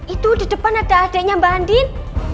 itu di depan ada adiknya mbak andin